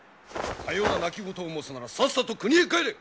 さような泣き言を申すならさっさと国へ帰れ！